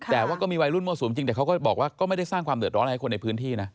แต่ว่าก็มีวัยรุ่นมั่วสุมจริงแต่เขาก็บอกว่าก็ไม่ได้สร้างความเดือดร้อนให้คนในพื้นที่นะ